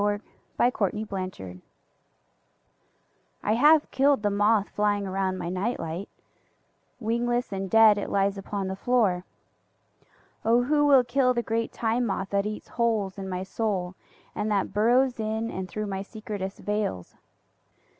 1922. Moth Terror I HAVE killed the moth flying around my night light; wingless and dead it lies upon the floor.(O who will kill the great Time Moth that eats holes in my soul and that burrows in and through my secretest veils!)